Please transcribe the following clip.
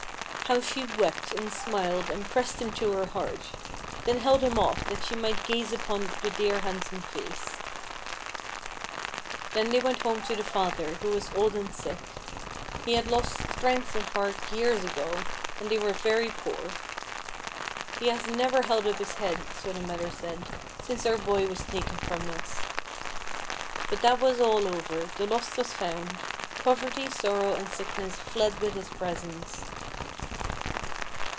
How she wept, and smiled, and pressed him to her heart; then held him off, that she might gaze upon the dear handsome face. Then they went home to the father, who was old and sick. He had lost strength and heart years ago, and they were very poor. "He has never held up his head," so the mother said, "since our boy was taken from us." But that was all over; the lost was found; poverty, sorrow, and sickness fled with his presence.